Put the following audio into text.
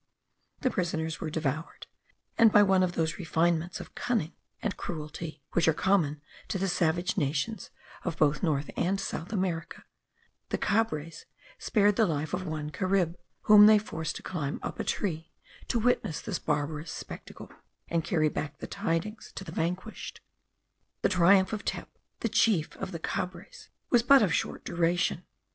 The prisoners were devoured; and, by one of those refinements of cunning and cruelty which are common to the savage nations of both North and South America, the Cabres spared the life of one Carib, whom they forced to climb up a tree to witness this barbarous spectacle, and carry back the tidings to the vanquished. The triumph of Tep, the chief of the Cabres, was but of short duration.